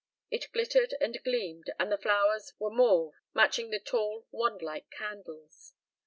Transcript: It glittered and gleamed and the flowers were mauve, matching the tall wand like candles.